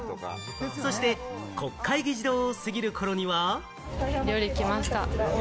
そして国会議事堂を過ぎる頃には。